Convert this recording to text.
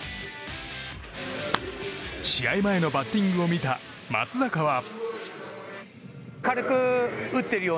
試合前のバッティングを見た松坂は。